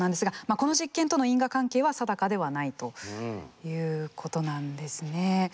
この実験との因果関係は定かではないということなんですね。